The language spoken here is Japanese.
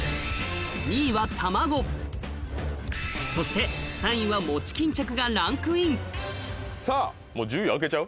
２位はたまごそして３位はもち巾着がランクインさぁもう１０位開けちゃう？